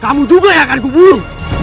kamu juga yang akan kumpul